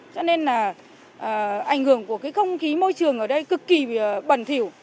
cho nên là ảnh hưởng của cái không khí môi trường ở đây cực kỳ bẩn thiểu